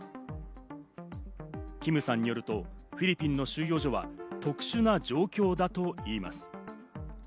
キムさんによると、フィリピンの収容所は特殊な状況だといいます。